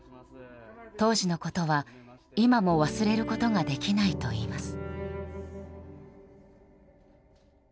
当時のことは今も忘れることができないといいます。